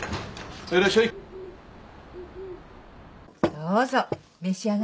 どうぞ召し上がれ。